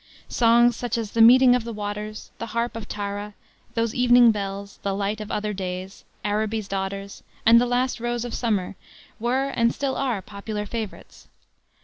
Songs such as the Meeting of the Waters, The Harp of Tara, Those Evening Bells, the Light of Other Days, Araby's Daughter, and the Last Rose of Summer were, and still are, popular favorites.